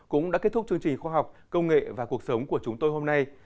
cũng đã kết thúc chương trình khoa học công nghệ và cuộc sống của chúng tôi hôm nay